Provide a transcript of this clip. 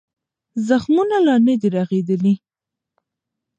زخمونه لا نه دي رغېدلي.